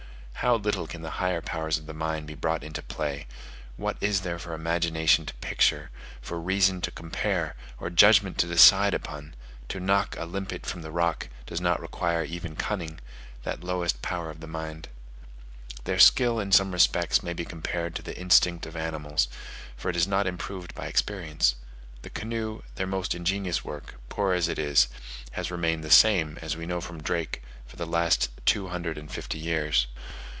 How little can the higher powers of the mind be brought into play: what is there for imagination to picture, for reason to compare, or judgment to decide upon? to knock a limpet from the rock does not require even cunning, that lowest power of the mind. Their skill in some respects may be compared to the instinct of animals; for it is not improved by experience: the canoe, their most ingenious work, poor as it is, has remained the same, as we know from Drake, for the last two hundred and fifty years.